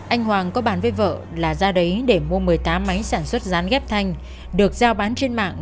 anh hoàng có bàn với vợ là ra đấy để mua một mươi tám máy sản xuất rán ghép thanh được giao bán trên mạng